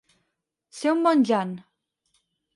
Ser un bon jan.